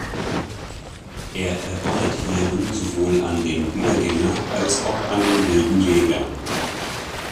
Er erinnert hierin sowohl an den "Wiedergänger", als auch an den "Wilden Jäger".